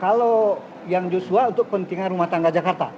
kalau yang joshua untuk kepentingan rumah tangga jakarta